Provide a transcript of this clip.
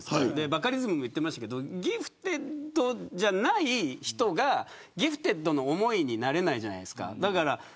バカリズムも言っていましたがギフテッドじゃない人がギフテッドの思いになれないじゃないですか。